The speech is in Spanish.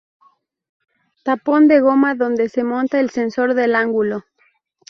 Tapón de goma donde se monta el sensor del ángulo.